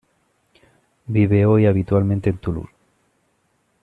Vive hoy habitualmente en Toulouse.